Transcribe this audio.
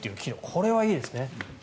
これはいいですね。